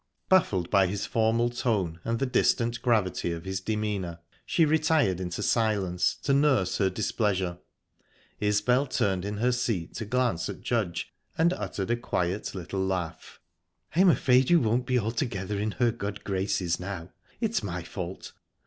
Baffled by his formal tone and the distant gravity of his demeanour, she retired into silence, to nurse her displeasure. Isbel turned in her seat to glance at Judge, and uttered a quiet little laugh. "I'm afraid you won't be altogether in her good graces now. It's my fault."